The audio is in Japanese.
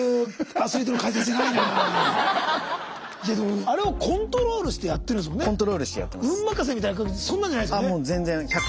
いやでもあれをコントロールしてやってるんですものね。